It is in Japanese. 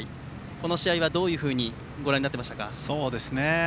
この試合はどういうふうにご覧になっていましたか。